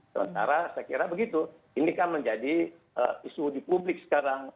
sementara saya kira begitu ini kan menjadi isu di publik sekarang